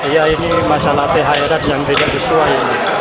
ya ini masalah thr yang tidak sesuai